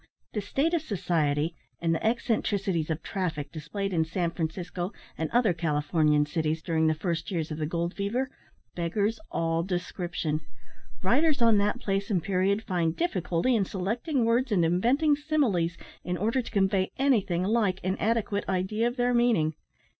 The state of society, and the eccentricities of traffic displayed in San Francisco and other Californian cities during the first years of the gold fever, beggars all description. Writers on that place and period find difficulty in selecting words and inventing similes in order to convey anything like an adequate idea of their meaning.